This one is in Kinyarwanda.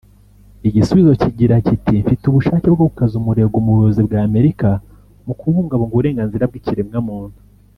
Igisubizo kigira kiti “Mfite ubushake bwo gukaza umurego mu buyobozi bw’Amerika mu kubungabunga uburenganzira bw’ikiremwamuntu